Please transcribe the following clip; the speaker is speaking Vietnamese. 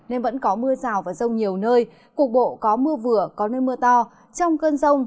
nên vẫn có mưa rào và rông nhiều nơi cục bộ có mưa vừa có nơi mưa to trong cơn rông